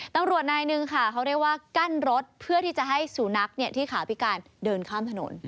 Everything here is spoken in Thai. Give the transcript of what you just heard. ตำรวจนายหนึ่งค่ะเขาเรียกว่ากั้นรถเพื่อที่จะให้สูนักที่ขาพิการเดินข้ามถนน